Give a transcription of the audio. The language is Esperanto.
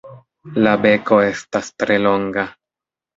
La beko estas tre longa.